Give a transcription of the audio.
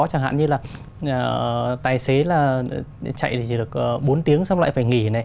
chẳng hạn như là tài xế chạy chỉ được bốn tiếng xong lại phải nghỉ